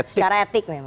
secara etik memang